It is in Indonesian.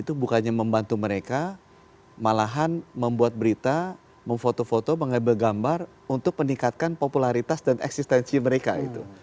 itu bukannya membantu mereka malahan membuat berita memfoto foto mengambil gambar untuk meningkatkan popularitas dan eksistensi mereka itu